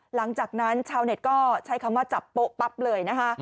หลังจากนั้นชาวเน็ตก็ใช้คำว่าจับโป๊ะปั๊บเลยนะคะ